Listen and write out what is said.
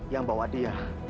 yang bawa dia